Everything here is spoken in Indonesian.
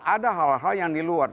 ada hal hal yang di luar